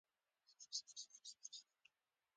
هغې له داستاني کتابونو سره مینه لرله